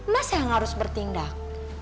mas yang harus bertindak